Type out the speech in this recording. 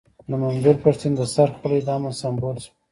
د منظور پښتين د سر خولۍ د امن سيمبول شوه.